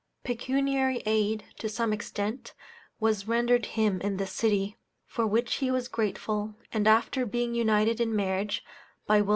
Pecuniary aid, to some extent, was rendered him in this city, for which he was grateful, and after being united in marriage, by Wm.